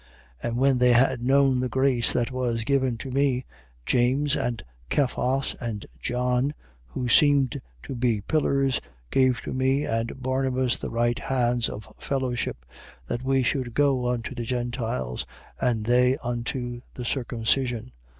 2:9. And when they had known the grace that was given to me, James and Cephas and John, who seemed to be pillars, gave to me and Barnabas the right hands of fellowship: that we should go unto the Gentiles, and they unto the circumcision: 2:10.